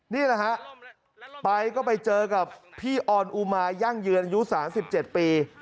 นี่แหละฮะไปก็ไปเจอกับพี่ออนอุมายั่งยืนอายุ๓๗ปี